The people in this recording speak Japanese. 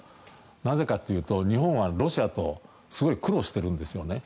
なぜかというと日本はロシアとすごく苦労しているんですね。